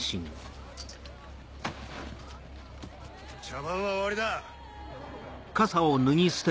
茶番は終わりだ！